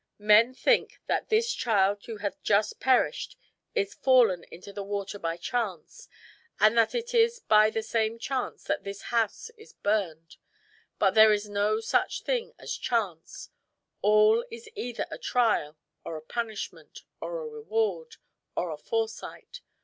Men think that this child who hath just perished is fallen into the water by chance; and that it is by the same chance that this house is burned; but there is no such thing as chance; all is either a trial, or a punishment, or a reward, or a foresight.